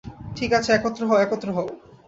ঠিক আছে, একত্র হও, একত্র হও।